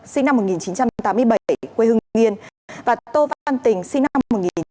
sinh năm một nghìn chín trăm tám mươi bảy quê hưng nguyên và tô văn tình sinh năm một nghìn chín trăm chín mươi ba quê quảng ninh